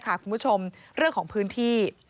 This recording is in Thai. คุณผู้ชมเรื่องของพื้นที่